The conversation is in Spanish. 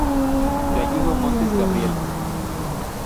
Gallego Montes, Gabriel.